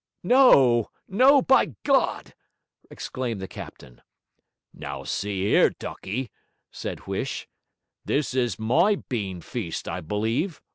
'No, no, by God!' exclaimed the captain. 'Now, see 'ere, ducky,' said Huish, 'this is my bean feast, I believe?